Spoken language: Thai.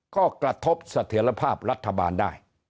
ก็กระทบเสถียรภาพรัฐบาลได้